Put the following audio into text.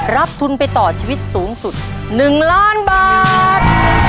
รับทุนไปต่อชีวิตสูงสุด๑ล้านบาท